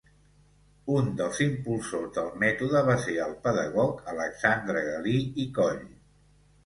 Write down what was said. Un dels impulsors del mètode va ser el pedagog Alexandre Galí i Coll.